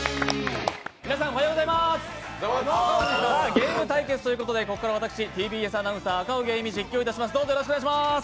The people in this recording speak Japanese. ゲーム対決ということでここから私、ＴＢＳアナウンサー赤荻歩、実況させていただきます。